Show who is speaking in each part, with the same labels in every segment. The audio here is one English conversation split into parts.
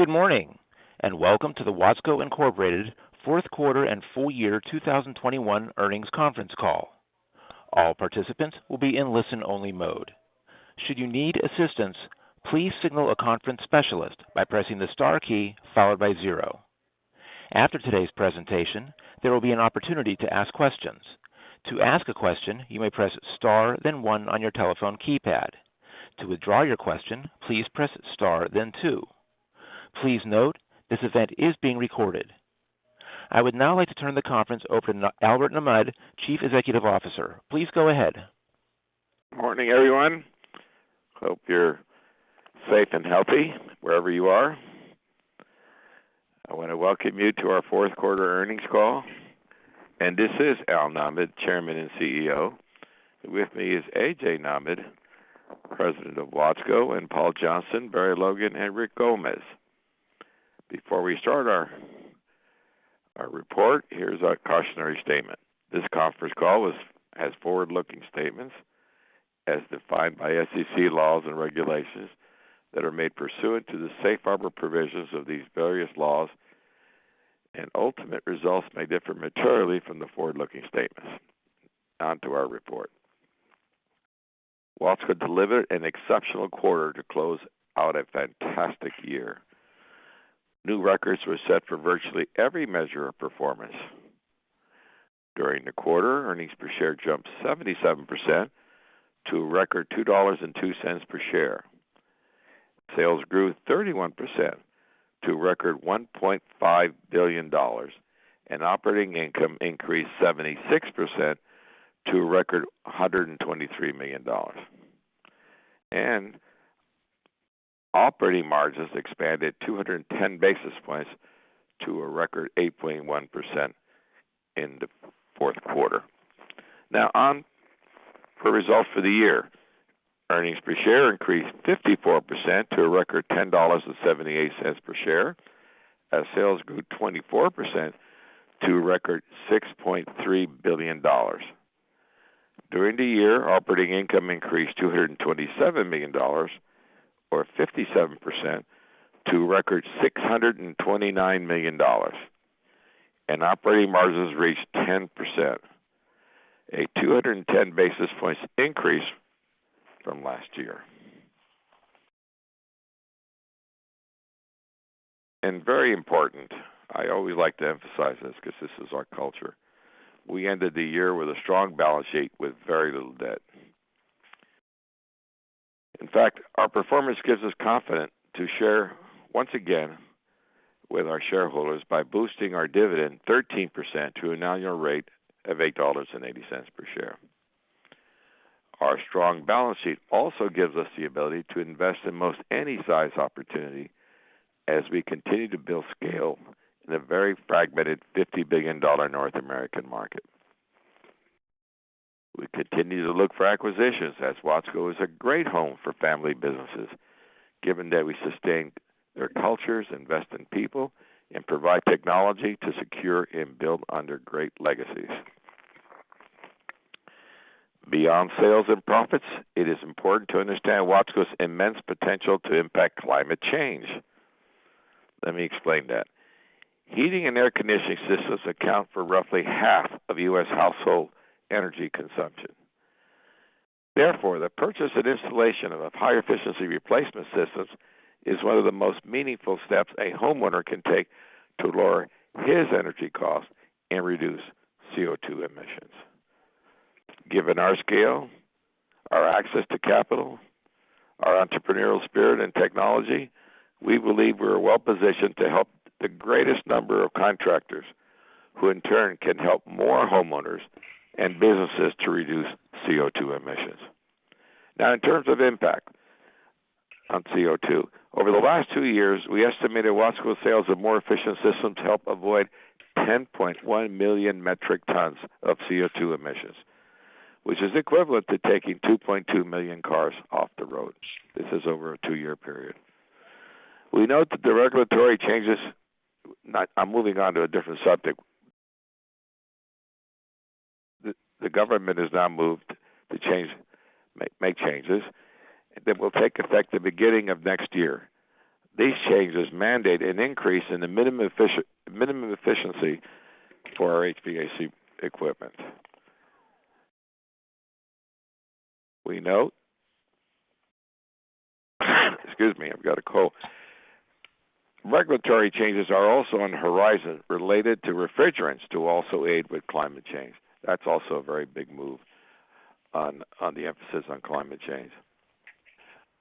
Speaker 1: Good morning, and welcome to the Watsco Incorporated fourth quarter and full year 2021 earnings conference call. All participants will be in listen-only mode. Should you need assistance, please signal a conference specialist by pressing the star key followed by zero. After today's presentation, there will be an opportunity to ask questions. To ask a question, you may press star then one on your telephone keypad. To withdraw your question, please press star then two. Please note, this event is being recorded. I would now like to turn the conference over to Al Nahmad, Chief Executive Officer. Please go ahead.
Speaker 2: Morning, everyone. Hope you're safe and healthy wherever you are. I want to welcome you to our fourth quarter earnings call. This is Al Nahmad, Chairman and CEO. With me is A.J. Nahmad, President of Watsco, and Paul Johnston, Barry Logan, and Rick Gomez. Before we start our report, here's our cautionary statement. This conference call has forward-looking statements as defined by SEC laws and regulations that are made pursuant to the safe harbor provisions of these various laws, and ultimate results may differ materially from the forward-looking statements. On to our report. Watsco delivered an exceptional quarter to close out a fantastic year. New records were set for virtually every measure of performance. During the quarter, earnings per share jumped 77% to a record $2.02 per share. Sales grew 31% to a record $1.5 billion, and operating income increased 76% to a record $123 million. Operating margins expanded 210 basis points to a record 8.1% in the fourth quarter. Now on the results for the year. Earnings per share increased 54% to a record $10.78 per share as sales grew 24% to a record $6.3 billion. During the year, operating income increased $227 million or 57% to a record $629 million. Operating margins reached 10%, a 210 basis points increase from last year. Very important, I always like to emphasize this because this is our culture. We ended the year with a strong balance sheet with very little debt. In fact, our performance gives us confidence to share once again with our shareholders by boosting our dividend 13% to an annual rate of $8.80 per share. Our strong balance sheet also gives us the ability to invest in most any size opportunity as we continue to build scale in a very fragmented $50 billion North American market. We continue to look for acquisitions as Watsco is a great home for family businesses, given that we sustain their cultures, invest in people, and provide technology to secure and build on their great legacies. Beyond sales and profits, it is important to understand Watsco's immense potential to impact climate change. Let me explain that. Heating and air conditioning systems account for roughly half of U.S. household energy consumption. Therefore, the purchase and installation of high-efficiency replacement systems is one of the most meaningful steps a homeowner can take to lower his energy costs and reduce CO2 emissions. Given our scale, our access to capital, our entrepreneurial spirit and technology, we believe we're well-positioned to help the greatest number of contractors who in turn can help more homeowners and businesses to reduce CO2 emissions. Now, in terms of impact on CO2, over the last two years, we estimated Watsco sales of more efficient systems help avoid 10.1 million metric tons of CO2 emissions, which is equivalent to taking 2.2 million cars off the roads. This is over a two-year period. Now I'm moving on to a different subject. The government has now moved to make changes that will take effect at the beginning of next year. These changes mandate an increase in the minimum efficiency for our HVAC equipment. Excuse me, I've got a cold. Regulatory changes are also on the horizon related to refrigerants to also aid with climate change. That's also a very big move on the emphasis on climate change.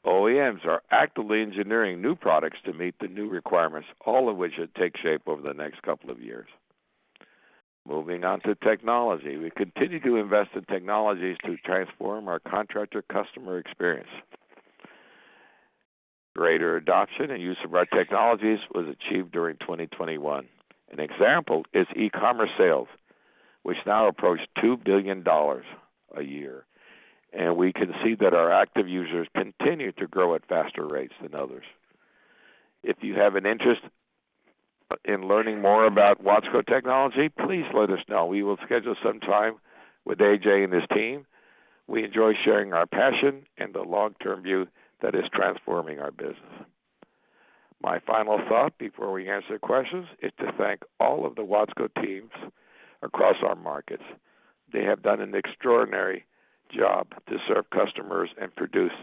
Speaker 2: OEMs are actively engineering new products to meet the new requirements, all of which should take shape over the next couple of years. Moving on to technology. We continue to invest in technologies to transform our contractor customer experience. Greater adoption and use of our technologies was achieved during 2021. An example is e-commerce sales, which now approach $2 billion a year. We can see that our active users continue to grow at faster rates than others. If you have an interest in learning more about Watsco technology, please let us know. We will schedule some time with A.J. and his team. We enjoy sharing our passion and the long-term view that is transforming our business. My final thought before we answer questions is to thank all of the Watsco teams across our markets. They have done an extraordinary job to serve customers and produce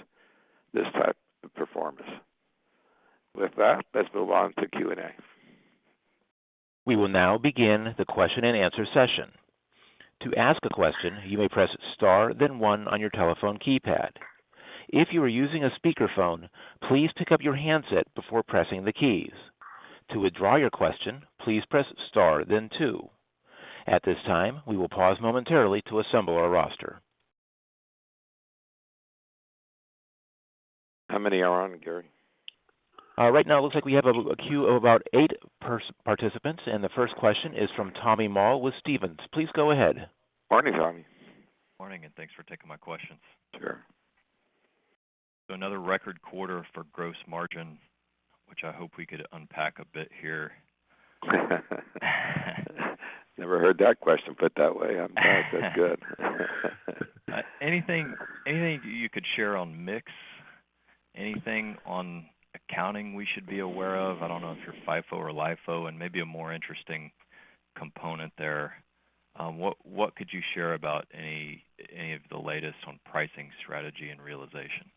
Speaker 2: this type of performance. With that, let's move on to Q&A.
Speaker 1: We will now begin the question and answer session. To ask a question, you may press star then one on your telephone keypad. If you are using a speakerphone, please pick up your handset before pressing the keys. To withdraw your question, please press star then two. At this time, we will pause momentarily to assemble our roster.
Speaker 2: How many are on, Gary?
Speaker 1: Right now it looks like we have a queue of about eight participants, and the first question is from Tommy Moll with Stephens. Please go ahead.
Speaker 2: Morning, Tommy.
Speaker 3: Morning, and thanks for taking my questions.
Speaker 2: Sure.
Speaker 3: Another record quarter for gross margin, which I hope we could unpack a bit here.
Speaker 2: Never heard that question put that way. I'm glad that's good.
Speaker 3: Anything you could share on mix? Anything on accounting we should be aware of? I don't know if you're FIFO or LIFO and maybe a more interesting component there. What could you share about any of the latest on pricing strategy and realization?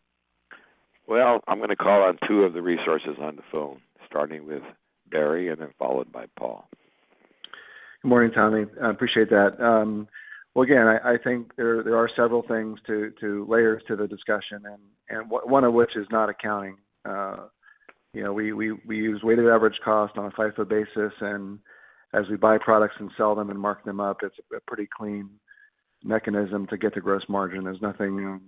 Speaker 2: Well, I'm gonna call on two of the resources on the phone, starting with Barry and then followed by Paul.
Speaker 4: Good morning, Tommy. I appreciate that. Well, again, I think there are several layers to the discussion and one of which is not accounting. You know, we use weighted average cost on a FIFO basis. As we buy products and sell them and mark them up, it's a pretty clean mechanism to get the gross margin. There's nothing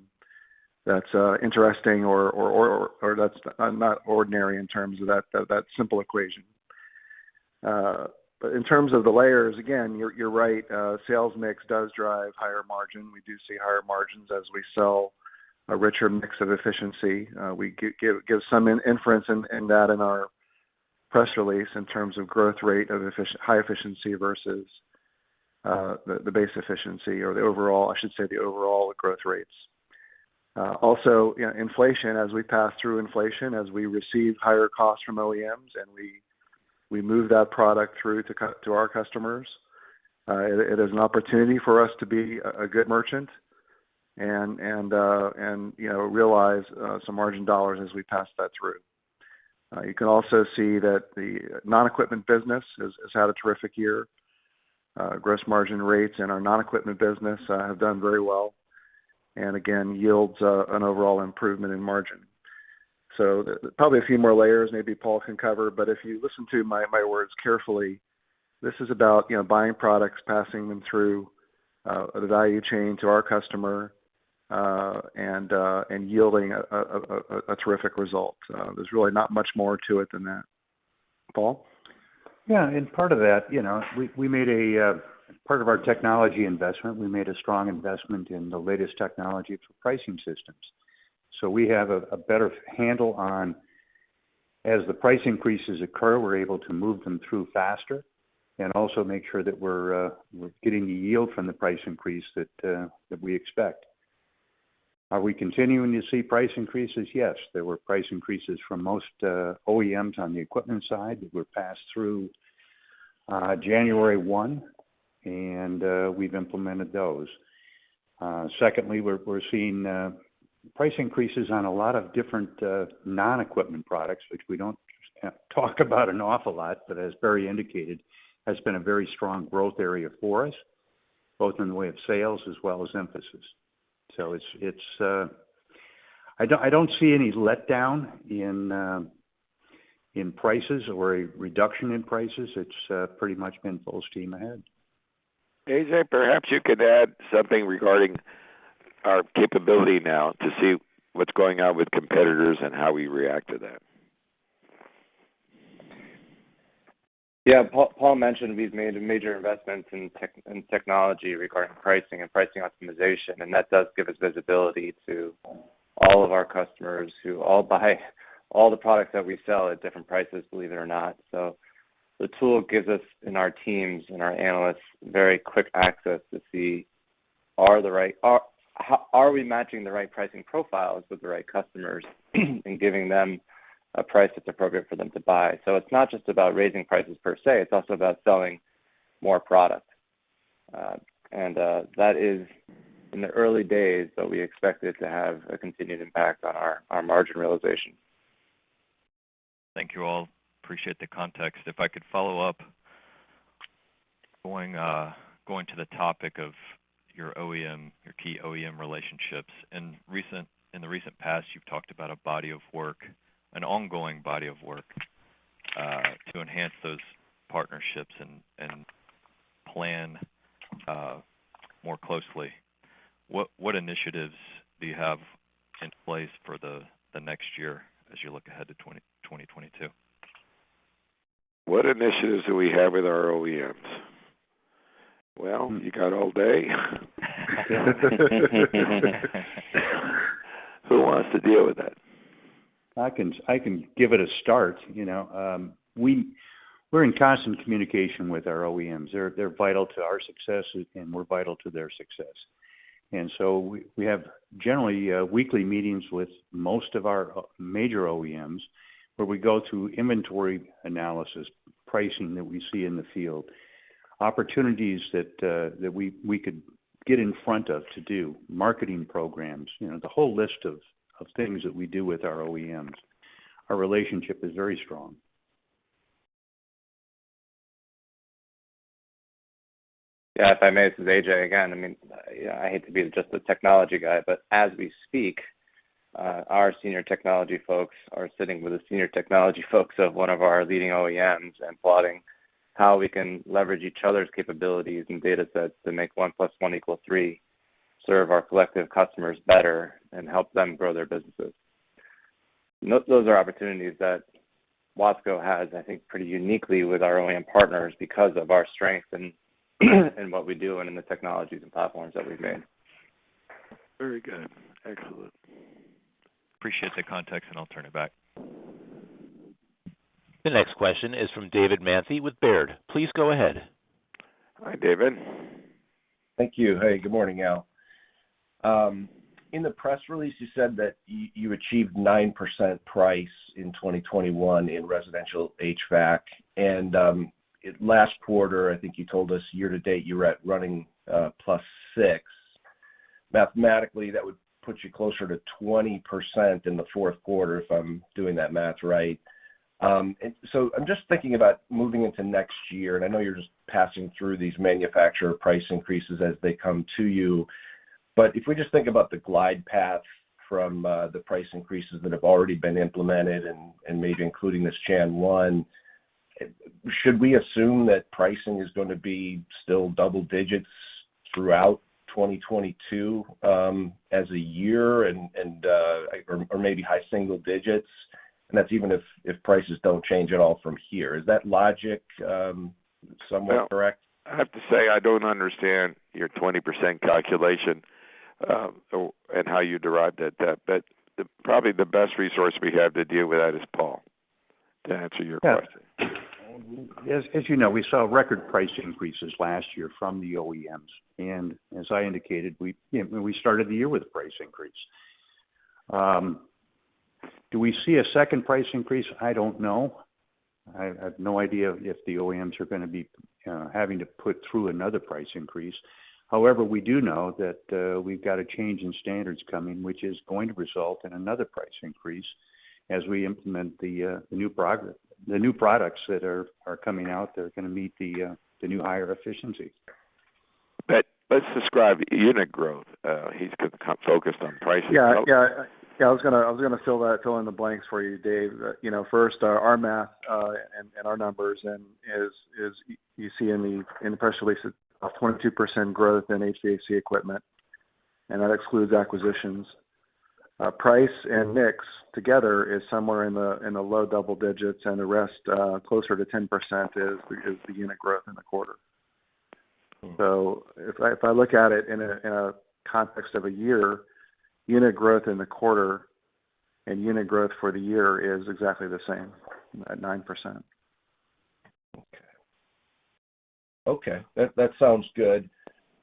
Speaker 4: that's interesting or that's not ordinary in terms of that simple equation. But in terms of the layers, again, you're right. Sales mix does drive higher margin. We do see higher margins as we sell a richer mix of efficiency. We give some inference in that in our press release in terms of growth rate of high efficiency versus the base efficiency or the overall, I should say, the overall growth rates. Also, you know, inflation, as we pass through inflation, as we receive higher costs from OEMs and we move that product through to our customers, it is an opportunity for us to be a good merchant and, you know, realize some margin dollars as we pass that through. You can also see that the non-equipment business has had a terrific year. Gross margin rates in our non-equipment business have done very well, and again, yields an overall improvement in margin. There probably are a few more layers maybe Paul can cover, but if you listen to my words carefully, this is about, you know, buying products, passing them through the value chain to our customer and yielding a terrific result. There's really not much more to it than that. Paul?
Speaker 5: Yeah. Part of that, you know, we made a strong investment in the latest technology for pricing systems. So we have a better handle on as the price increases occur, we're able to move them through faster and also make sure that we're getting the yield from the price increase that we expect. Are we continuing to see price increases? Yes. There were price increases from most OEMs on the equipment side that were passed through January 1, and we've implemented those. Secondly, we're seeing price increases on a lot of different non-equipment products, which we don't talk about an awful lot, but as Barry indicated, has been a very strong growth area for us, both in the way of sales as well as emphasis. I don't see any letdown in prices or a reduction in prices. It's pretty much been full steam ahead.
Speaker 2: A.J., perhaps you could add something regarding our capability now to see what's going on with competitors and how we react to that.
Speaker 6: Yeah. Paul mentioned we've made major investments in technology regarding pricing and pricing optimization, and that does give us visibility to all of our customers who all buy all the products that we sell at different prices, believe it or not. The tool gives us and our teams and our analysts very quick access to see, are we matching the right pricing profiles with the right customers and giving them a price that's appropriate for them to buy. It's not just about raising prices per se, it's also about selling more product. That is in the early days, but we expect it to have a continued impact on our margin realization.
Speaker 3: Thank you all. Appreciate the context. If I could follow up, going to the topic of your OEM, your key OEM relationships. In the recent past, you've talked about a body of work, an ongoing body of work, to enhance those partnerships and plan more closely. What initiatives do you have in place for the next year as you look ahead to 2022?
Speaker 2: What initiatives do we have with our OEMs? Well, you got all day? Who wants to deal with that?
Speaker 5: I can give it a start. You know, we're in constant communication with our OEMs. They're vital to our success, and we're vital to their success. We have generally weekly meetings with most of our major OEMs, where we go through inventory analysis, pricing that we see in the field, opportunities that we could get in front of to do marketing programs, you know, the whole list of things that we do with our OEMs. Our relationship is very strong.
Speaker 6: Yeah, if I may, this is A.J. again. I mean, yeah, I hate to be just the technology guy, but as we speak, our senior technology folks are sitting with the senior technology folks of one of our leading OEMs and plotting how we can leverage each other's capabilities and data sets to make one plus one equal three, serve our collective customers better and help them grow their businesses. Those are opportunities that Watsco has, I think, pretty uniquely with our OEM partners because of our strength and what we do and in the technologies and platforms that we've made.
Speaker 2: Very good. Excellent.
Speaker 3: Appreciate the context, and I'll turn it back.
Speaker 1: The next question is from David Manthey with Baird. Please go ahead.
Speaker 2: Hi, David.
Speaker 7: Thank you. Hey, good morning, Al. In the press release, you said that you achieved 9% price in 2021 in residential HVAC. Last quarter, I think you told us year-to-date, you were at running plus six. Mathematically, that would put you closer to 20% in the fourth quarter if I'm doing that math right. I'm just thinking about moving into next year, and I know you're just passing through these manufacturer price increases as they come to you. But if we just think about the glide path from the price increases that have already been implemented and maybe including this one, should we assume that pricing is gonna be still double digits throughout 2022 as a year or maybe high single digits? That's even if prices don't change at all from here. Is that logic somewhat correct?
Speaker 2: I have to say, I don't understand your 20% calculation, and how you arrived at that. Probably the best resource we have to deal with that is Paul, to answer your question.
Speaker 5: As you know, we saw record price increases last year from the OEMs. As I indicated, you know, we started the year with a price increase. Do we see a second price increase? I don't know. I have no idea if the OEMs are gonna be having to put through another price increase. However, we do know that we've got a change in standards coming, which is going to result in another price increase as we implement the new products that are coming out that are gonna meet the new higher efficiency.
Speaker 2: Let's describe unit growth. He's so focused on pricing.
Speaker 4: Yeah, yeah, I was gonna fill in the blanks for you, Dave. You know, first, our math and our numbers and as you see in the press release, a 22% growth in HVAC equipment, and that excludes acquisitions. Price and mix together is somewhere in the low double digits, and the rest closer to 10% is the unit growth in the quarter. If I look at it in a context of a year, unit growth in the quarter and unit growth for the year is exactly the same at 9%.
Speaker 7: Okay. That sounds good.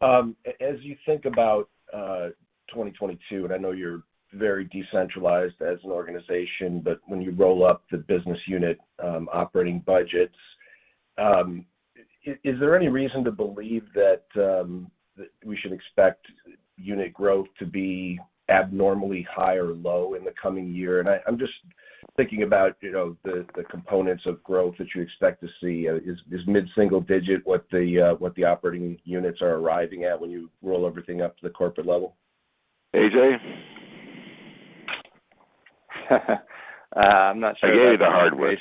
Speaker 7: As you think about 2022, I know you're very decentralized as an organization, but when you roll up the business unit operating budgets, is there any reason to believe that we should expect unit growth to be abnormally high or low in the coming year? I'm just thinking about, you know, the components of growth that you expect to see. Is mid-single digit what the operating units are arriving at when you roll everything up to the corporate level?
Speaker 2: A.J.?
Speaker 6: I'm not sure.
Speaker 2: I gave you the hard one.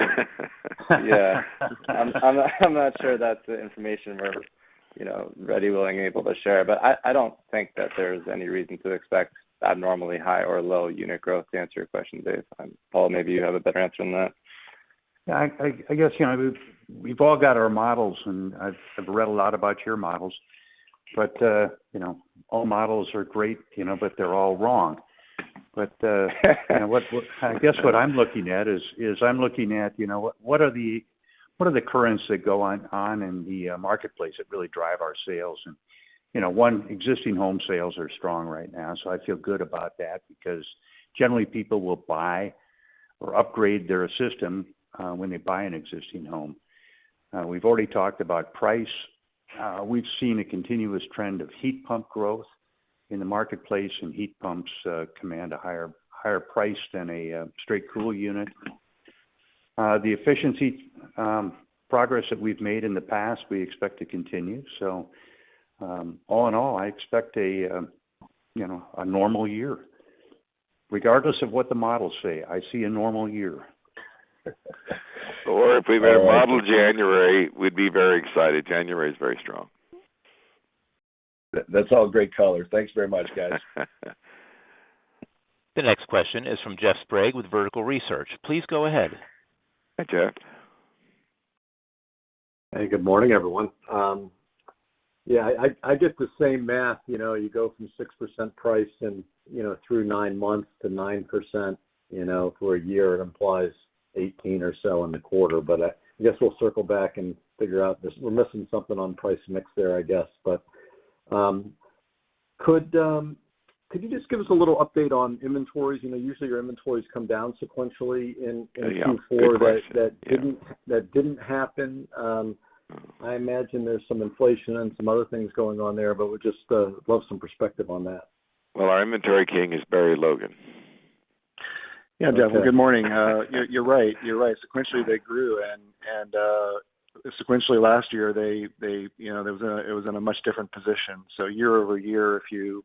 Speaker 6: Yeah. I'm not sure that's the information we're, you know, ready, willing, able to share. I don't think that there's any reason to expect abnormally high or low unit growth to answer your question, Dave. Paul, maybe you have a better answer than that.
Speaker 5: I guess, you know, we've all got our models, and I've read a lot about your models. You know, all models are great, you know, but they're all wrong. I guess what I'm looking at is I'm looking at, you know, what are the currents that go on in the marketplace that really drive our sales? You know, one, existing home sales are strong right now, so I feel good about that because generally people will buy or upgrade their system when they buy an existing home. We've already talked about price. We've seen a continuous trend of heat pump growth in the marketplace, and heat pumps command a higher price than a straight cool unit. The efficiency progress that we've made in the past, we expect to continue. All in all, I expect a, you know, a normal year. Regardless of what the models say, I see a normal year.
Speaker 2: If we had a model January, we'd be very excited. January is very strong.
Speaker 7: That's all great color. Thanks very much, guys.
Speaker 1: The next question is from Jeff Sprague with Vertical Research. Please go ahead.
Speaker 2: Hi, Jeff.
Speaker 8: Hey, good morning, everyone. Yeah, I get the same math. You know, you go from 6% price and, you know, through nine months to 9%, you know, for a year implies 18 or so in the quarter. I guess we'll circle back and figure this out. We're missing something on price mix there, I guess. Could you just give us a little update on inventories? You know, usually your inventories come down sequentially in Q4.
Speaker 2: Yeah. Good question.
Speaker 8: That didn't happen. I imagine there's some inflation and some other things going on there, but would just love some perspective on that.
Speaker 2: Well, our inventory king is Barry Logan.
Speaker 8: Okay.
Speaker 4: Yeah. Jeff, good morning. You're right. Sequentially, they grew, and sequentially last year, they, you know, it was in a much different position. Year-over-year, if you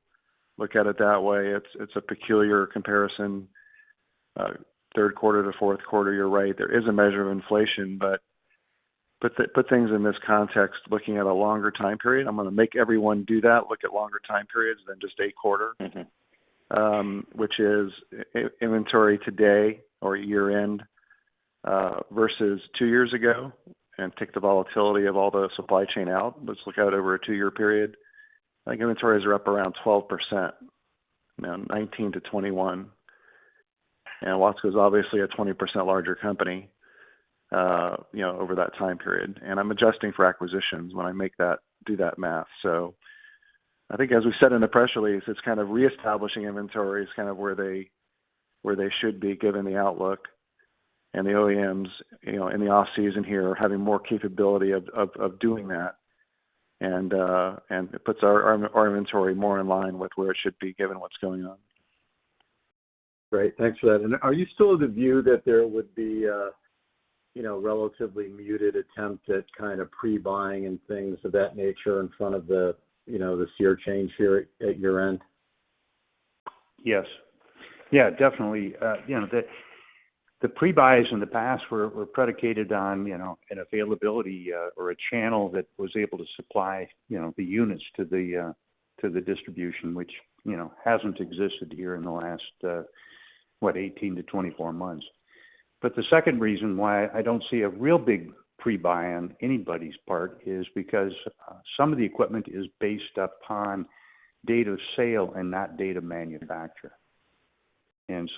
Speaker 4: look at it that way, it's a peculiar comparison. Third quarter to fourth quarter, you're right, there is a measure of inflation. Put things in this context, looking at a longer time period. I'm gonna make everyone do that, look at longer time periods than just a quarter.
Speaker 8: Mm-hmm.
Speaker 4: Which is inventory today or year-end versus two years ago, and take the volatility of all the supply chain out. Let's look out over a two-year period, like, inventories are up around 12%. From 2019 to 2021, Watsco is obviously a 20% larger company, you know, over that time period. I'm adjusting for acquisitions when I do that math. I think as we said in the press release, it's kind of reestablishing inventories kind of where they should be given the outlook. The OEMs, you know, in the off-season here are having more capability of doing that. It puts our inventory more in line with where it should be given what's going on.
Speaker 8: Great. Thanks for that. Are you still of the view that there would be a, you know, relatively muted attempt at kind of pre-buying and things of that nature in front of the, you know, the SEER change here at year-end?
Speaker 4: Yes. Yeah, definitely. You know, the pre-buys in the past were predicated on, you know, an availability or a channel that was able to supply, you know, the units to the distribution, which, you know, hasn't existed here in the last, what, 18-24 months. The second reason why I don't see a real big pre-buy on anybody's part is because some of the equipment is based upon date of sale and not date of manufacturer. If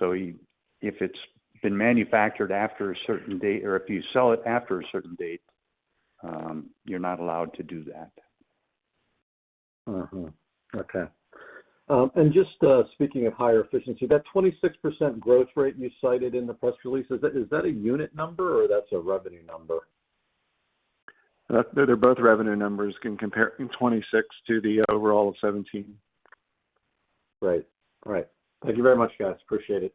Speaker 4: it's been manufactured after a certain date or if you sell it after a certain date, you're not allowed to do that.
Speaker 8: Just speaking of higher efficiency, that 26% growth rate you cited in the press release, is that a unit number or that's a revenue number?
Speaker 4: They're both revenue numbers. Can compare 26% to the overall 17%.
Speaker 8: Right. Thank you very much, guys. Appreciate it.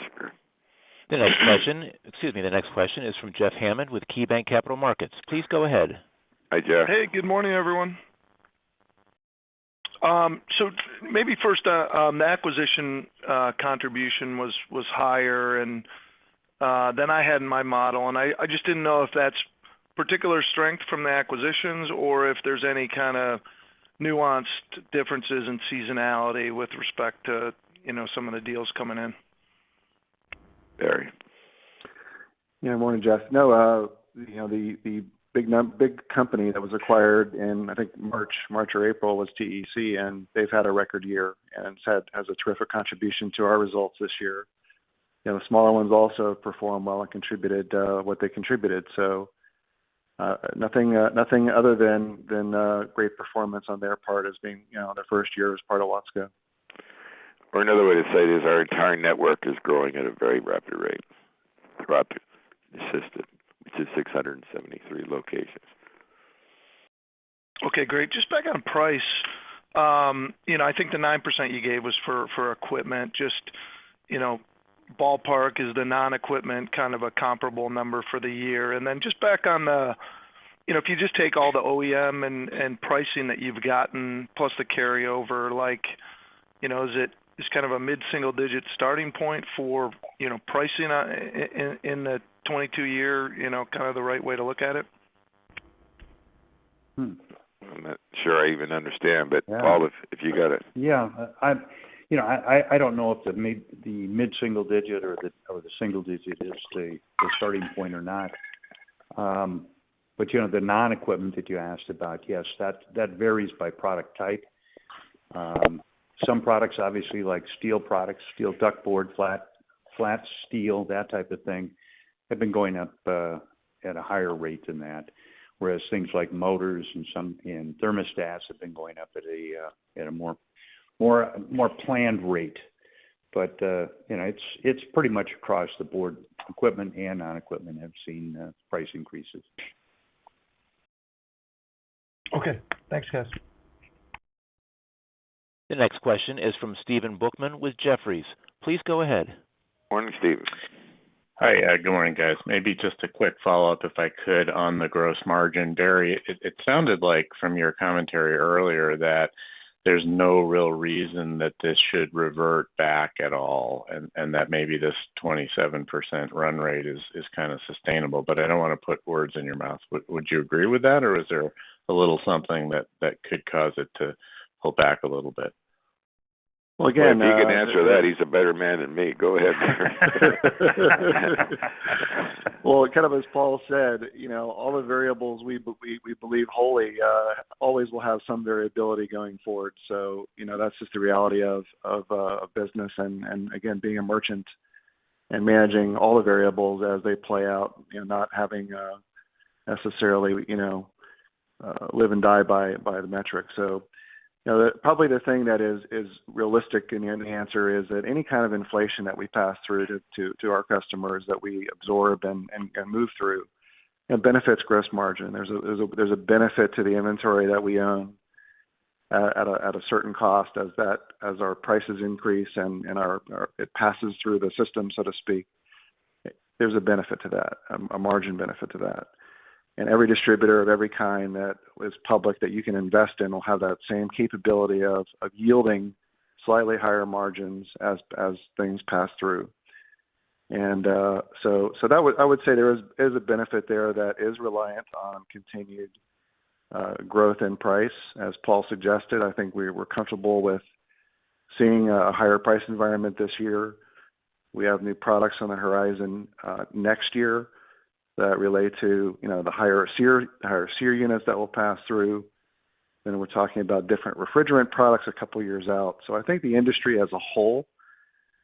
Speaker 2: Sure.
Speaker 1: The next question, excuse me, the next question is from Jeff Hammond with KeyBanc Capital Markets. Please go ahead.
Speaker 2: Hi, Jeff.
Speaker 9: Hey, good morning, everyone. Maybe first, the acquisition contribution was higher than I had in my model, and I just didn't know if that's particular strength from the acquisitions or if there's any kind of nuanced differences in seasonality with respect to, you know, some of the deals coming in.
Speaker 2: Barry.
Speaker 4: Yeah. Morning, Jeff. No, the big company that was acquired in, I think March or April was TEC, and they've had a record year and it's a terrific contribution to our results this year. The smaller ones also performed well and contributed what they contributed. Nothing other than great performance on their part as being their first year as part of Watsco.
Speaker 2: Another way to say it is our entire network is growing at a very rapid rate throughout the system to 673 locations.
Speaker 9: Okay, great. Just back on price. You know, I think the 9% you gave was for equipment. Just, you know, ballpark, is the non-equipment kind of a comparable number for the year? Then just back on the. You know, if you just take all the OEM and pricing that you've gotten plus the carryover, like, you know, is it just kind of a mid-single digit starting point for, you know, pricing in the 2022 year, you know, kind of the right way to look at it?
Speaker 4: Hmm.
Speaker 2: I'm not sure I even understand.
Speaker 4: Yeah.
Speaker 2: Paul, if you got it.
Speaker 5: Yeah. You know, I don't know if the mid-single digit or the single digit is the starting point or not. You know, the non-equipment that you asked about, yes, that varies by product type. Some products obviously like steel products, steel duct board, flat steel, that type of thing, have been going up at a higher rate than that. Whereas things like motors and thermostats have been going up at a more planned rate. You know, it's pretty much across the board, equipment and non-equipment have seen price increases.
Speaker 9: Okay. Thanks, guys.
Speaker 1: The next question is from Stephen Volkmann with Jefferies. Please go ahead.
Speaker 2: Morning, Steve.
Speaker 10: Hi. Good morning, guys. Maybe just a quick follow-up, if I could, on the gross margin. Barry, it sounded like from your commentary earlier that there's no real reason that this should revert back at all, and that maybe this 27% run rate is kinda sustainable. But I don't wanna put words in your mouth. Would you agree with that, or is there a little something that could cause it to pull back a little bit?
Speaker 4: Well, again.
Speaker 2: If he can answer that, he's a better man than me. Go ahead, Barry.
Speaker 4: Well, kind of as Paul said, you know, all the variables we believe wholly always will have some variability going forward. You know, that's just the reality of business and again, being a merchant and managing all the variables as they play out and not having necessarily, you know, live and die by the metrics. You know, probably the thing that is realistic in the answer is that any kind of inflation that we pass through to our customers that we absorb and move through, you know, benefits gross margin. There's a benefit to the inventory that we own at a certain cost as our prices increase and our. It passes through the system, so to speak. There's a benefit to that, a margin benefit to that. Every distributor of every kind that is public that you can invest in will have that same capability of yielding slightly higher margins as things pass through. I would say there is a benefit there that is reliant on continued growth in price, as Paul suggested. I think we're comfortable with seeing a higher price environment this year. We have new products on the horizon next year that relate to, you know, the higher SEER units that will pass through. Then we're talking about different refrigerant products a couple years out. I think the industry as a whole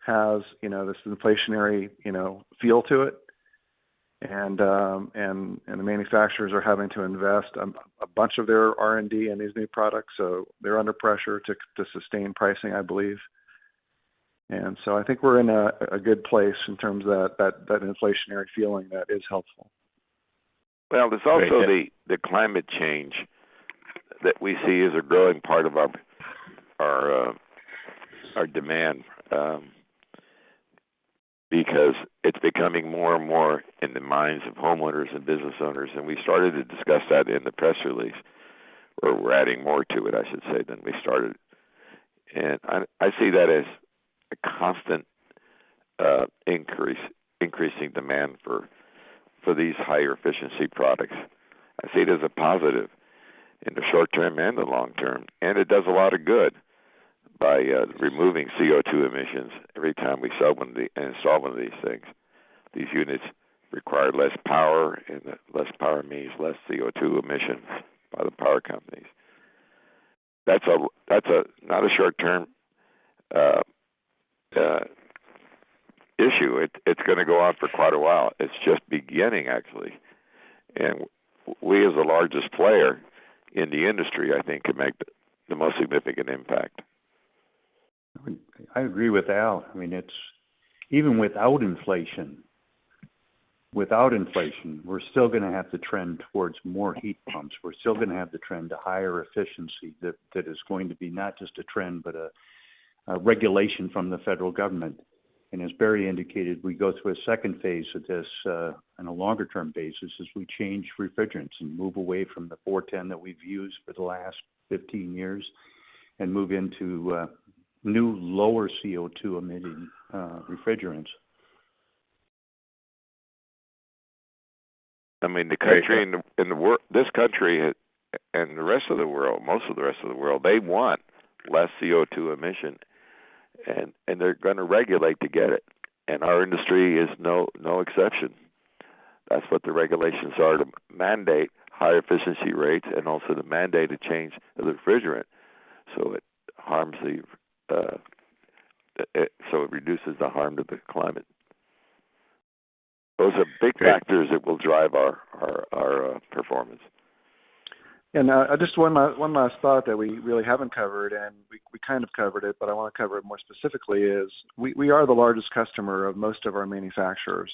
Speaker 4: has, you know, this inflationary feel to it. The manufacturers are having to invest a bunch of their R&D in these new products, so they're under pressure to sustain pricing, I believe. I think we're in a good place in terms of that inflationary feeling that is helpful.
Speaker 2: Well, there's also the climate change that we see is a growing part of our demand, because it's becoming more and more in the minds of homeowners and business owners, and we started to discuss that in the press release, or we're adding more to it, I should say, than we started. I see that as a constant increasing demand for these higher efficiency products. I see it as a positive in the short term and the long term, and it does a lot of good by removing CO2 emissions every time we sell one of these install one of these things. These units require less power, and less power means less CO2 emissions by the power companies. That's a not a short-term issue. It's gonna go on for quite a while. It's just beginning, actually. We, as the largest player in the industry, I think can make the most significant impact.
Speaker 5: I agree with Al. I mean, it's even without inflation, we're still gonna have to trend towards more heat pumps. We're still gonna have to trend to higher efficiency. That is going to be not just a trend, but a regulation from the federal government. As Barry indicated, we go through a second phase of this on a longer term basis as we change refrigerants and move away from the R-410A that we've used for the last 15 years and move into new, lower CO2 emitting refrigerants.
Speaker 2: I mean, this country and the rest of the world, most of the rest of the world, they want less CO2 emission, and they're gonna regulate to get it. Our industry is no exception. That's what the regulations are to mandate higher efficiency rates and also to mandate a change of the refrigerant, so it reduces the harm to the climate. Those are big factors that will drive our performance.
Speaker 4: Just one last thought that we really haven't covered, and we kind of covered it, but I want to cover it more specifically, is we are the largest customer of most of our manufacturers.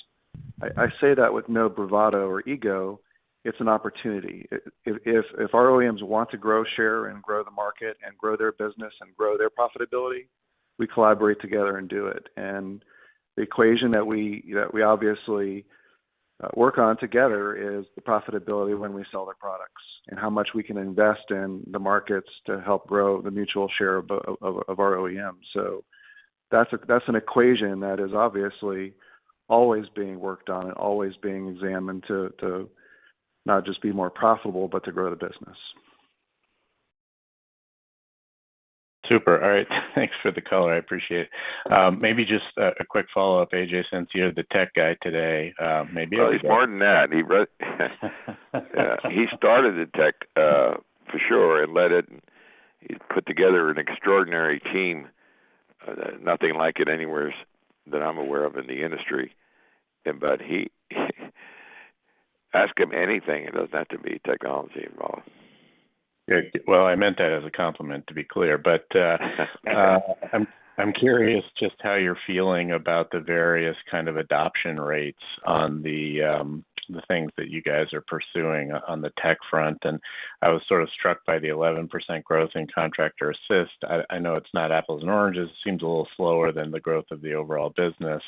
Speaker 4: I say that with no bravado or ego. It's an opportunity. If our OEMs want to grow share and grow the market and grow their business and grow their profitability, we collaborate together and do it. The equation that we obviously work on together is the profitability when we sell their products and how much we can invest in the markets to help grow the mutual share of our OEMs. That's an equation that is obviously always being worked on and always being examined to not just be more profitable, but to grow the business.
Speaker 10: Super. All right. Thanks for the color. I appreciate it. Maybe just a quick follow-up, A.J., since you're the tech guy today, maybe-
Speaker 2: Well, he's more than that. Yeah. He started in tech, for sure, and led it, and he put together an extraordinary team. Nothing like it anywhere that I'm aware of in the industry. Ask him anything. It doesn't have to be technology involved.
Speaker 4: Great. Well, I meant that as a compliment, to be clear. I'm curious just how you're feeling about the various kind of adoption rates on the things that you guys are pursuing on the tech front. I was sort of struck by the 11% growth in Contractor Assist. I know it's not apples and oranges. It seems a little slower than the growth of the overall business.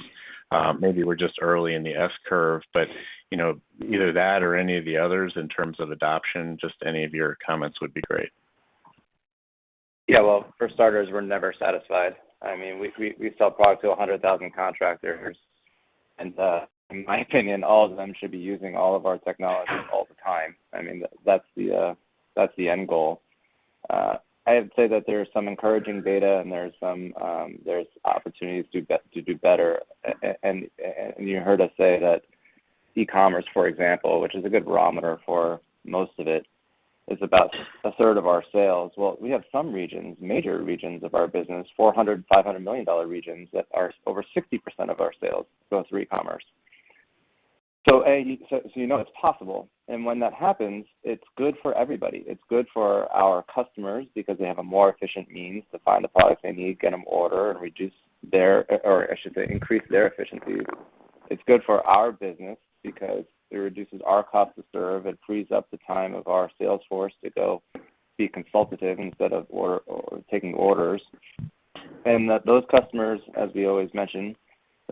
Speaker 4: Maybe we're just early in the S-curve, but you know, either that or any of the others in terms of adoption, just any of your comments would be great.
Speaker 6: Yeah. Well, for starters, we're never satisfied. I mean, we sell product to 100,000 contractors. In my opinion, all of them should be using all of our technologies all the time. I mean, that's the end goal. I'd say that there's some encouraging data and there's some opportunities to do better. You heard us say that e-commerce, for example, which is a good barometer for most of it, is about a third of our sales. Well, we have some regions, major regions of our business, $400 million-$500 million regions that are over 60% of our sales goes through e-commerce. You know it's possible. When that happens, it's good for everybody. It's good for our customers because they have a more efficient means to find the products they need, get them ordered, and increase their efficiency. It's good for our business because it reduces our cost to serve. It frees up the time of our sales force to go be consultative instead of taking orders. Those customers, as we always mention,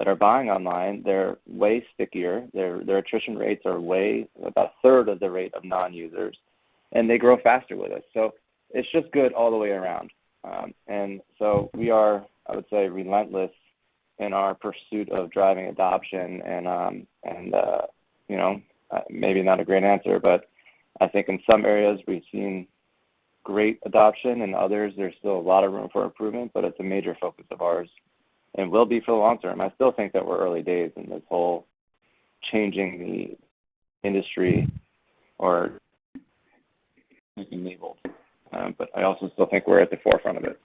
Speaker 6: that are buying online, they're way stickier. Their attrition rates are way about a third of the rate of non-users, and they grow faster with us. It's just good all the way around. We are, I would say, relentless in our pursuit of driving adoption and you know, maybe not a great answer, but I think in some areas we've seen great adoption. In others, there's still a lot of room for improvement, but it's a major focus of ours and will be for the long term. I still think that we're in the early days in this whole changing the industry, but I also still think we're at the forefront of it.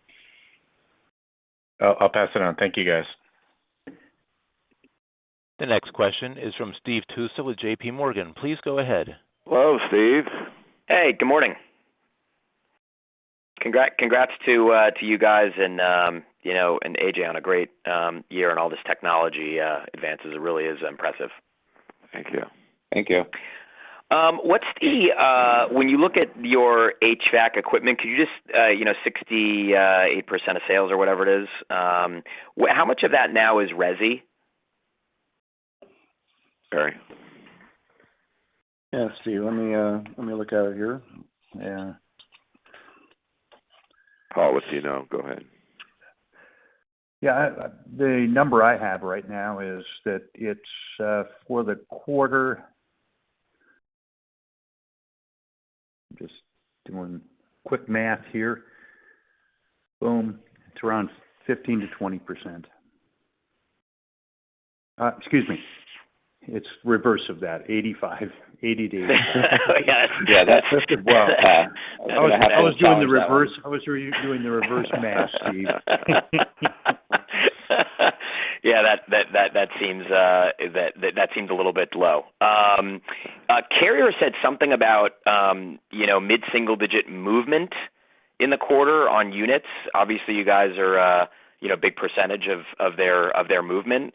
Speaker 10: I'll pass it on. Thank you, guys.
Speaker 1: The next question is from Steve Tusa with JPMorgan. Please go ahead.
Speaker 6: Hello, Steve.
Speaker 11: Hey, good morning. Congrats to you guys and you know and A.J. on a great year on all this technology advances. It really is impressive.
Speaker 4: Thank you.
Speaker 6: Thank you.
Speaker 11: What's the, when you look at your HVAC equipment, could you just, you know, 68% of sales or whatever it is, how much of that now is resi?
Speaker 6: Barry?
Speaker 4: Yeah, Steve, let me look at it here. Yeah.
Speaker 6: Paul with you now. Go ahead.
Speaker 4: Yeah. The number I have right now is that it's for the quarter. I'm just doing quick math here. Boom. It's around 15%-20%. Excuse me, it's reverse of that, 80%-85%.
Speaker 11: Oh, yeah.
Speaker 6: Yeah.
Speaker 4: Mr. Brown. I was doing the reverse. I was re-doing the reverse math, Steve.
Speaker 11: Yeah, that seems a little bit low. Carrier said something about, you know, mid-single-digit movement in the quarter on units. Obviously, you guys are, you know, a big percentage of their movement.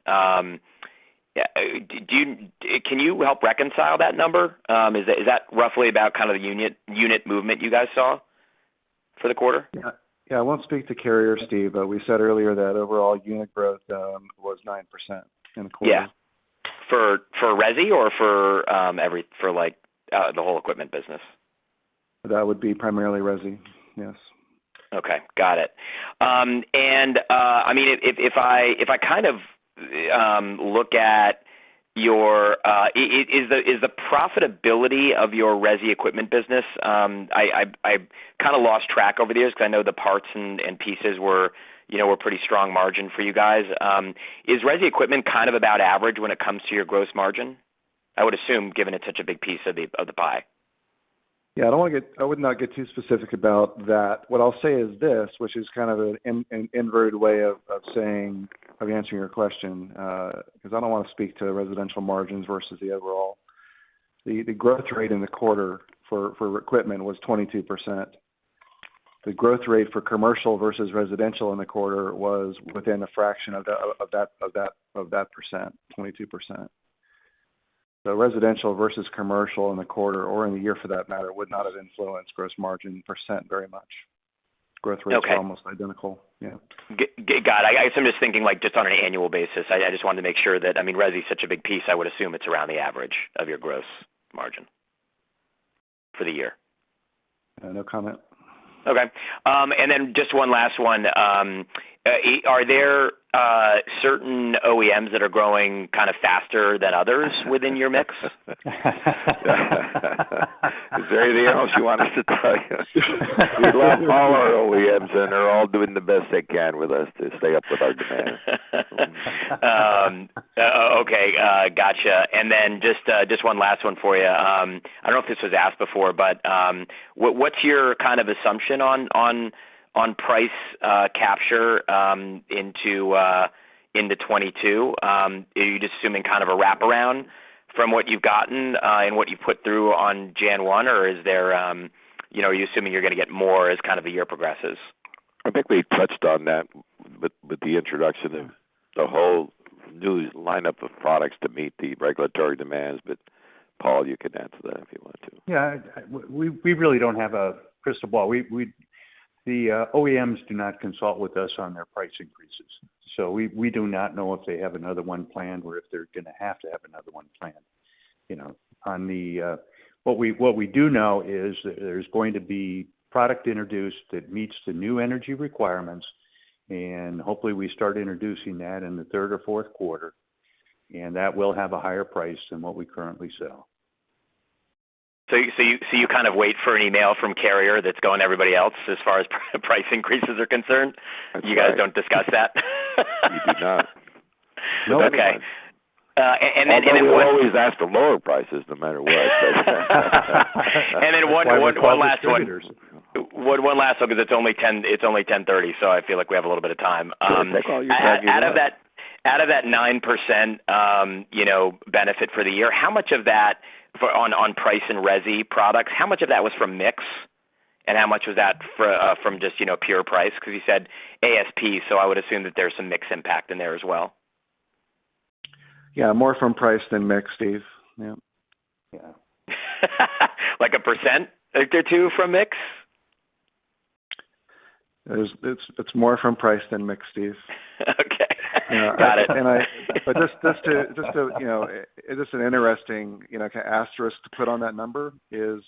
Speaker 11: Yeah, can you help reconcile that number? Is that roughly about kind of the unit movement you guys saw for the quarter?
Speaker 4: I won't speak to Carrier, Steve. We said earlier that overall unit growth was 9% in the quarter.
Speaker 11: Yeah. For resi or for every, like, the whole equipment business?
Speaker 4: That would be primarily resi, yes.
Speaker 12: Okay. Got it. I mean, if I kind of look at your... Is the profitability of your resi equipment business... I kinda lost track over the years because I know the parts and pieces were, you know, were pretty strong margin for you guys. Is resi equipment kind of about average when it comes to your gross margin? I would assume, given it's such a big piece of the pie.
Speaker 4: Yeah. I would not get too specific about that. What I'll say is this, which is kind of an inverted way of saying, of answering your question, 'cause I don't wanna speak to residential margins versus the overall. The growth rate in the quarter for equipment was 22%. The growth rate for commercial versus residential in the quarter was within a fraction of that percent, 22%. The residential versus commercial in the quarter or in the year for that matter would not have influenced gross margin percent very much.
Speaker 12: Okay.
Speaker 4: Growth rate is almost identical. Yeah.
Speaker 12: Got it. I guess I'm just thinking, like, just on an annual basis. I just wanted to make sure that I mean, resi is such a big piece. I would assume it's around the average of your gross margin for the year.
Speaker 4: No comment.
Speaker 12: Okay. Just one last one. Are there certain OEMs that are growing kind of faster than others within your mix?
Speaker 6: Is there anything else you want us to tell you? We love all our OEMs, and they're all doing the best they can with us to stay up with our demands.
Speaker 11: Okay. Gotcha. Just one last one for you. I don't know if this was asked before, but what's your kind of assumption on price capture into 2022? Are you just assuming kind of a wraparound from what you've gotten and what you put through on January 1, or is there, you know, are you assuming you're gonna get more as kind of the year progresses?
Speaker 6: I think we touched on that with the introduction of the whole new lineup of products to meet the regulatory demands. Paul, you can answer that if you want to.
Speaker 4: Yeah. We really don't have a crystal ball. The OEMs do not consult with us on their price increases. We do not know if they have another one planned or if they're gonna have to have another one planned. You know, what we do know is that there's going to be product introduced that meets the new energy requirements, and hopefully we start introducing that in the third or fourth quarter, and that will have a higher price than what we currently sell.
Speaker 11: You kind of wait for an email from Carrier that's going to everybody else as far as price increases are concerned?
Speaker 10: That's right.
Speaker 11: You guys don't discuss that?
Speaker 5: We do not.
Speaker 11: Okay. One-
Speaker 6: Although we always ask for lower prices no matter what.
Speaker 11: One last one, because it's only 10:30 A.M., so I feel like we have a little bit of time.
Speaker 2: Sure, take all you got.
Speaker 11: Out of that 9%, you know, benefit for the year, how much of that for on price and resi products, how much of that was from mix? How much was that for, from just, you know, pure price? 'Cause you said ASP, so I would assume that there's some mix impact in there as well.
Speaker 4: Yeah, more from price than mix, Steve. Yeah.
Speaker 11: Like 1% or 2% from mix?
Speaker 4: It's more from price than mix, Steve.
Speaker 11: Okay. Got it.
Speaker 4: Just to, you know, just an interesting, you know, kind of asterisk to put on that number is,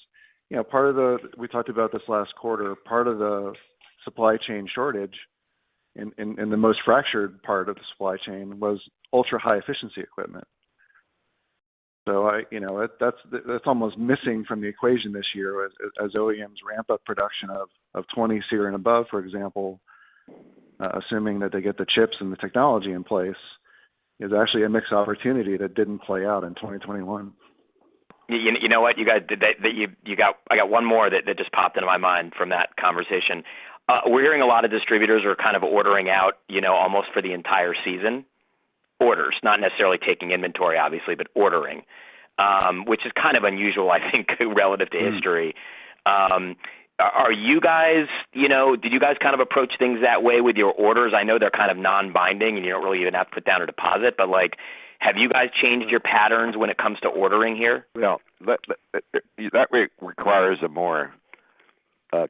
Speaker 4: you know, part of the, we talked about this last quarter, part of the supply chain shortage in the most fractured part of the supply chain was ultra-high efficiency equipment. You know, that's almost missing from the equation this year as OEMs ramp up production of 20 SEER and above, for example, assuming that they get the chips and the technology in place, is actually a mixed opportunity that didn't play out in 2021.
Speaker 11: You know what, you guys? I got one more that just popped into my mind from that conversation. We're hearing a lot of distributors are kind of ordering out, you know, almost for the entire season, orders not necessarily taking inventory obviously, but ordering. Which is kind of unusual, I think, relative to history. Are you guys, you know, did you guys kind of approach things that way with your orders? I know they're kind of non-binding, and you don't really even have to put down a deposit, but like, have you guys changed your patterns when it comes to ordering here?
Speaker 2: No. That requires a more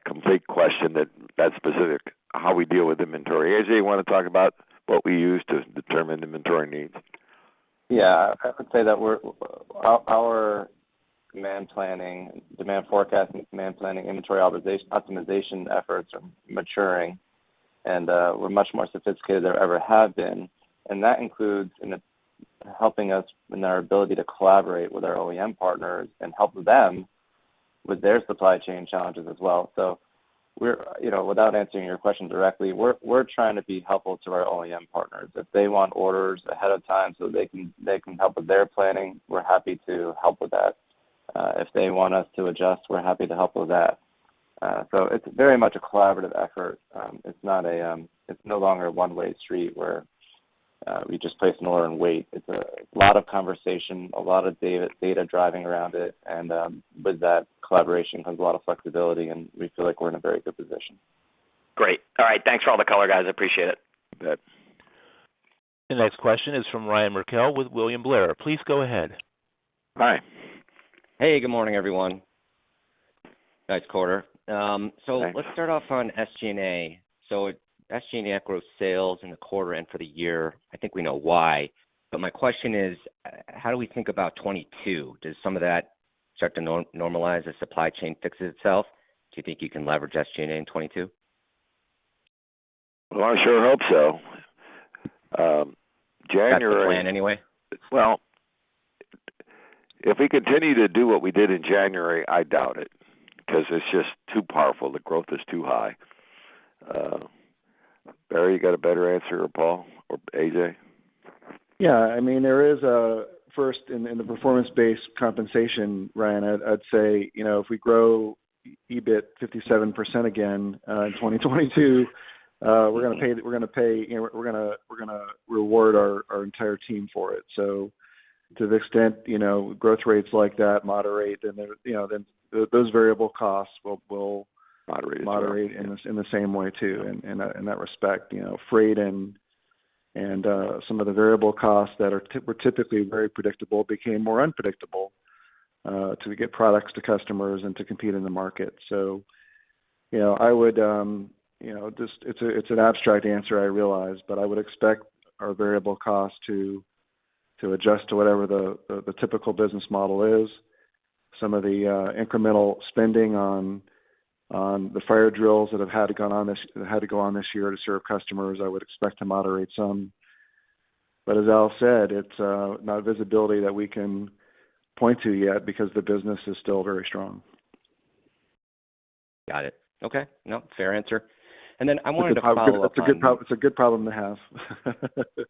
Speaker 2: complete question that's specific how we deal with inventory. A.J., you wanna talk about what we use to determine inventory needs?
Speaker 6: Yeah. I would say that our demand planning, demand forecasting, inventory optimization efforts are maturing and we're much more sophisticated than we ever have been. That includes in helping us in our ability to collaborate with our OEM partners and help them with their supply chain challenges as well. We're, you know, without answering your question directly, we're trying to be helpful to our OEM partners. If they want orders ahead of time so they can help with their planning, we're happy to help with that. If they want us to adjust, we're happy to help with that. It's very much a collaborative effort. It's no longer a one-way street where we just place an order and wait. It's a lot of conversation, a lot of data driving around it, and with that collaboration comes a lot of flexibility, and we feel like we're in a very good position.
Speaker 11: Great. All right. Thanks for all the color, guys. I appreciate it.
Speaker 10: You bet.
Speaker 1: The next question is from Ryan Merkel with William Blair. Please go ahead.
Speaker 12: Hi. Hey, good morning, everyone. Nice quarter. Let's start off on SG&A. SG&A outgrows sales in the quarter and for the year. I think we know why. My question is, how do we think about 2022? Does some of that start to normalize as supply chain fixes itself? Do you think you can leverage SG&A in 2022?
Speaker 10: Well, I sure hope so.
Speaker 12: That's the plan anyway. Well, if we continue to do what we did in January, I doubt it, 'cause it's just too powerful. The growth is too high. Barry, you got a better answer or Paul or A.J?
Speaker 4: Yeah. I mean, there is a first in the performance-based compensation, Ryan. I'd say, you know, if we grow EBIT 57% again in 2022, we're gonna pay, you know, we're gonna reward our entire team for it. So to the extent, you know, growth rates like that moderate, then there, you know, then those variable costs will moderate in the same way too. In that respect, you know, freight and some of the variable costs that were typically very predictable became more unpredictable to get products to customers and to compete in the market. You know, I would, you know, just it's an abstract answer, I realize, but I would expect our variable costs to adjust to whatever the typical business model is. Some of the incremental spending on the fire drills that had to go on this year to serve customers, I would expect to moderate some. As Al said, it's not visibility that we can point to yet because the business is still very strong.
Speaker 12: Got it. Okay. No, fair answer. I wanted to follow up on.
Speaker 4: It's a good problem to have.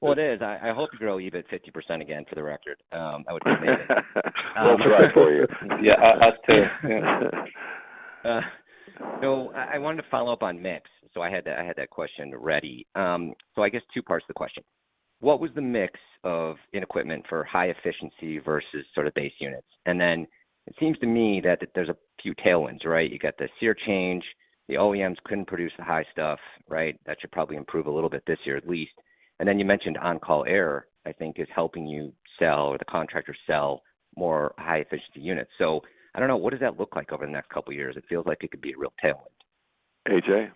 Speaker 12: Well, it is. I hope to grow EBIT 50% again, for the record. That would be amazing.
Speaker 4: We'll try for you.
Speaker 6: Yeah, us too.
Speaker 12: I wanted to follow up on mix. I had that question ready. I guess two parts to the question. What was the mix of equipment for high efficiency versus sort of base units? It seems to me that there's a few tailwinds, right? You got the SEER change, the OEMs couldn't produce the high stuff, right? That should probably improve a little bit this year at least. You mentioned OnCall Air, I think, is helping you sell or the contractor sell more high efficiency units. What does that look like over the next couple of years? It feels like it could be a real tailwind.
Speaker 2: A.J?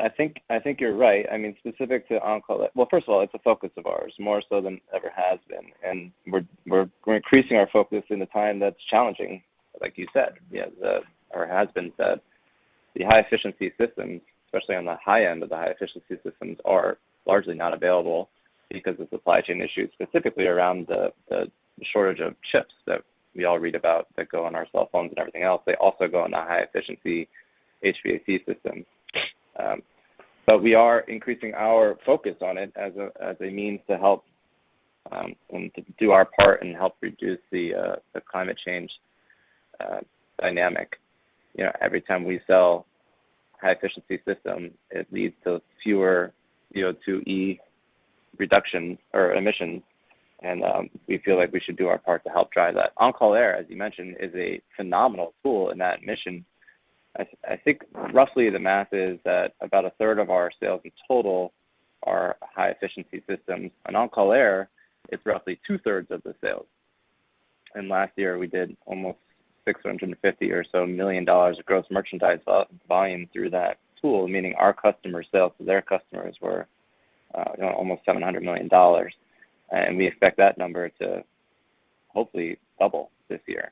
Speaker 6: I think you're right. I mean, specific to OnCall, first of all, it's a focus of ours, more so than it ever has been, and we're increasing our focus in a time that's challenging, like you said. Yeah, the high efficiency systems, especially on the high end of the high efficiency systems, are largely not available because of supply chain issues, specifically around the shortage of chips that we all read about that go on our cell phones and everything else. They also go on the high efficiency HVAC systems. But we are increasing our focus on it as a means to help to do our part and help reduce the climate change dynamic. You know, every time we sell high efficiency systems, it leads to fewer CO2e reduction or emissions, and we feel like we should do our part to help drive that. OnCall Air, as you mentioned, is a phenomenal tool in that mission. I think roughly the math is that about a third of our sales in total are high efficiency systems. OnCall Air is roughly two-thirds of the sales. Last year we did almost $650 million of gross merchandise volume through that tool, meaning our customer sales to their customers were almost $700 million. We expect that number to hopefully double this year.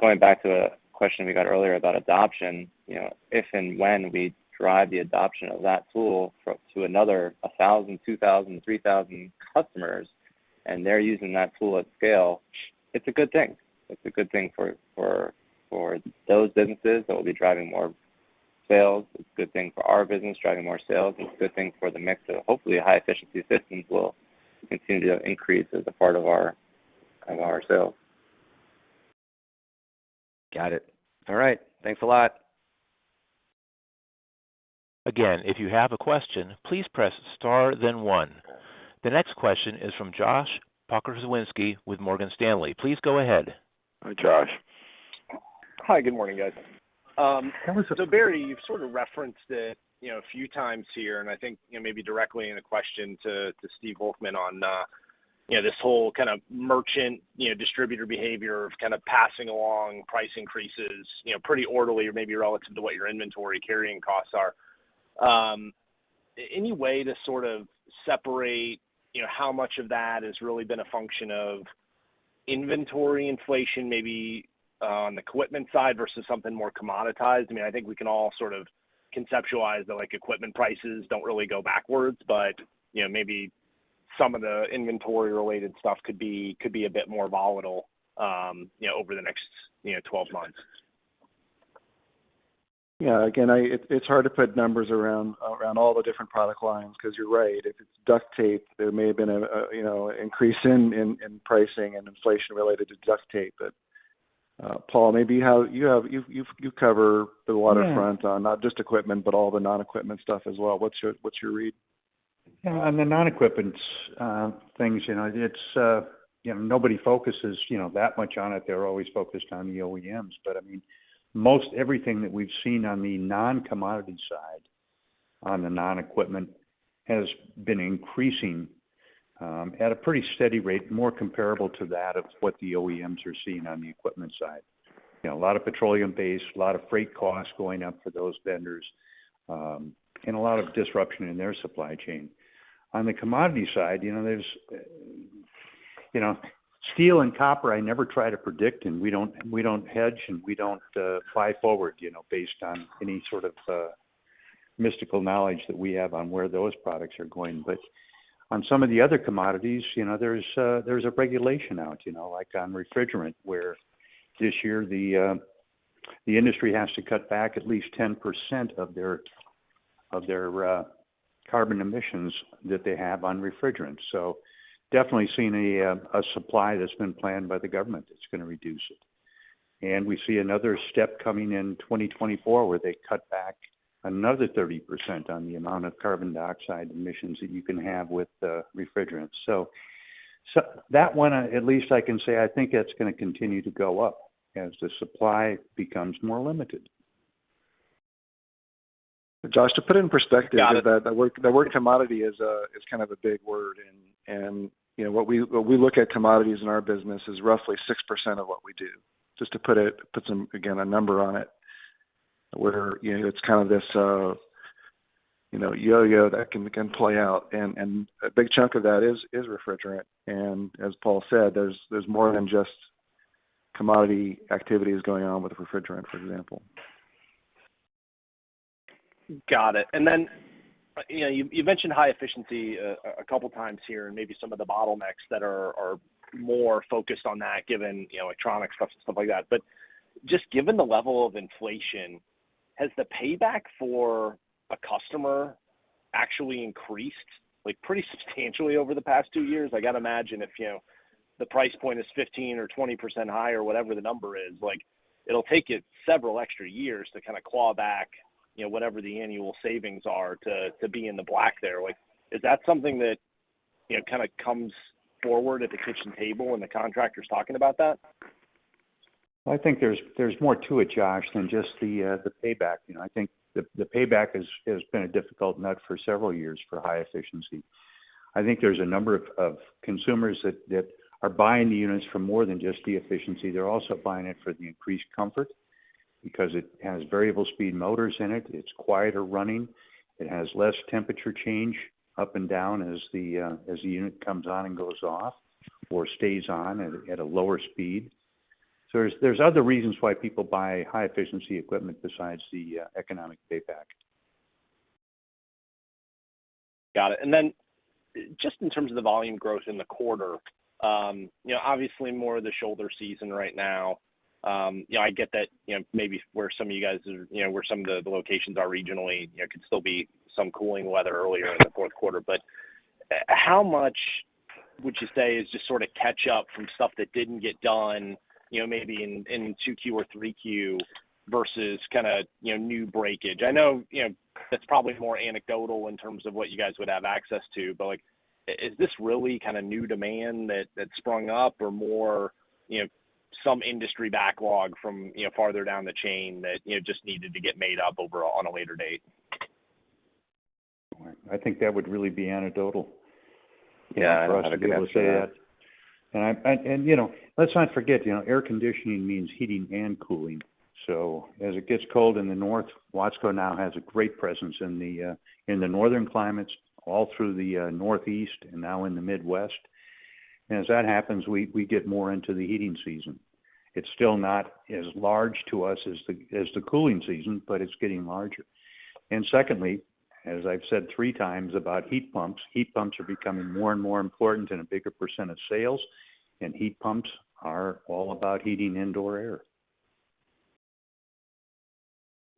Speaker 6: Going back to a question we got earlier about adoption, you know, if and when we drive the adoption of that tool for another 1,000, 2,000, 3,000 customers and they're using that tool at scale, it's a good thing. It's a good thing for those businesses that will be driving more sales. It's a good thing for our business, driving more sales. It's a good thing for the mix of hopefully high efficiency systems will continue to increase as a part of our sales.
Speaker 12: Got it. All right. Thanks a lot.
Speaker 1: Again, if you have a question, please press star then one. The next question is from Josh Pokrzywinski with Morgan Stanley. Please go ahead.
Speaker 6: Hi, Josh.
Speaker 13: Hi, good morning, guys.
Speaker 6: How is it-
Speaker 13: Barry, you've sort of referenced it, you know, a few times here, and I think, you know, maybe directly in a question to Stephen Volkmann on, you know, this whole kind of merchant, you know, distributor behavior of kind of passing along price increases, you know, pretty orderly or maybe relative to what your inventory carrying costs are. Any way to sort of separate, you know, how much of that has really been a function of inventory inflation, maybe on the equipment side versus something more commoditized? I mean, I think we can all sort of conceptualize that, like, equipment prices don't really go backwards, but, you know, maybe some of the inventory related stuff could be a bit more volatile, you know, over the next 12 months.
Speaker 6: Yeah. Again, it's hard to put numbers around all the different product lines, 'cause you're right. If it's duct tape, there may have been a you know, increase in pricing and inflation related to duct tape. Paul, maybe you cover the waterfront on not just equipment, but all the non-equipment stuff as well. What's your read?
Speaker 5: Yeah. On the non-equipment things, you know, it's, you know, nobody focuses, you know, that much on it. They're always focused on the OEMs. I mean, most everything that we've seen on the non-commodity side, on the non-equipment, has been increasing at a pretty steady rate, more comparable to that of what the OEMs are seeing on the equipment side. You know, a lot of petroleum-based, a lot of freight costs going up for those vendors and a lot of disruption in their supply chain. On the commodity side, you know, there's, you know, steel and copper. I never try to predict and we don't hedge and we don't buy forward, you know, based on any sort of mystical knowledge that we have on where those products are going. On some of the other commodities, you know, there's a regulation out, you know, like on refrigerant, where this year the industry has to cut back at least 10% of their carbon emissions that they have on refrigerant. So definitely seeing a supply that's been planned by the government that's gonna reduce it. We see another step coming in 2024, where they cut back another 30% on the amount of carbon dioxide emissions that you can have with the refrigerant. That one, at least I can say, I think that's gonna continue to go up as the supply becomes more limited.
Speaker 2: Josh, to put it in perspective.
Speaker 13: Got it.
Speaker 6: The word commodity is kind of a big word. You know, what we look at commodities in our business is roughly 6% of what we do. Just to put some, again, a number on it, where you know, it's kind of this yo-yo that can play out. A big chunk of that is refrigerant. As Paul said, there's more than just commodity activities going on with the refrigerant, for example.
Speaker 13: Got it. You know, you mentioned high efficiency a couple times here, and maybe some of the bottlenecks that are more focused on that given, you know, electronics stuff and stuff like that. Just given the level of inflation, has the payback for a customer actually increased, like, pretty substantially over the past two years? I gotta imagine if, you know, the price point is 15% or 20% higher, whatever the number is, like it'll take it several extra years to kinda claw back, you know, whatever the annual savings are to be in the black there. Like, is that something that, you know, kinda comes forward at the kitchen table when the contractor's talking about that?
Speaker 5: I think there's more to it, Josh, than just the payback. You know, I think the payback has been a difficult nut for several years for high efficiency. I think there's a number of consumers that are buying the units for more than just the efficiency. They're also buying it for the increased comfort because it has variable speed motors in it. It's quieter running. It has less temperature change up and down as the unit comes on and goes off or stays on at a lower speed. There's other reasons why people buy high-efficiency equipment besides the economic payback.
Speaker 13: Got it. Then just in terms of the volume growth in the quarter, you know, obviously more of the shoulder season right now. You know, I get that, you know, maybe where some of you guys are, you know, where some of the locations are regionally, you know, could still be some cooling weather earlier in the fourth quarter. How much would you say is just sort of catch up from stuff that didn't get done, you know, maybe in 2Q or 3Q versus kinda, you know, new breakage? I know, you know, that's probably more anecdotal in terms of what you guys would have access to, but, like, is this really kinda new demand that sprung up or more, you know, some industry backlog from, you know, farther down the chain that, you know, just needed to get made up over on a later date?
Speaker 5: I think that would really be anecdotal. Yeah. I don't have a good answer for that. For us to be able to say that. I, you know, let's not forget, you know, air conditioning means heating and cooling. As it gets cold in the north, Watsco now has a great presence in the northern climates all through the northeast and now in the Midwest. As that happens, we get more into the heating season. It's still not as large to us as the cooling season, but it's getting larger. Secondly, as I've said three times about heat pumps, heat pumps are becoming more and more important and a bigger percent of sales, and heat pumps are all about heating indoor air.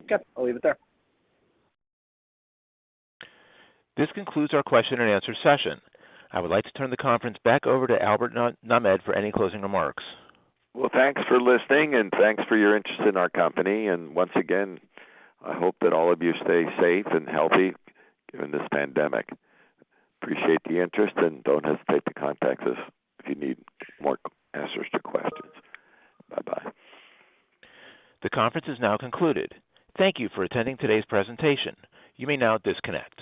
Speaker 13: Okay. I'll leave it there.
Speaker 1: This concludes our question and answer session. I would like to turn the conference back over to Al Nahmad for any closing remarks.
Speaker 2: Well, thanks for listening and thanks for your interest in our company. Once again, I hope that all of you stay safe and healthy during this pandemic. Appreciate the interest, and don't hesitate to contact us if you need more answers to questions.
Speaker 1: The conference is now concluded. Thank you for attending today's presentation. You may now disconnect.